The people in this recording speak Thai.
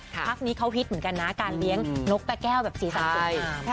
พักนี้เขาฮิตเหมือนกันนะการเลี้ยงนกตะแก้วแบบสีสันสวยงาม